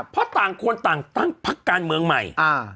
เพราะต่างคนต่างตั้งพักการเมืองใหม่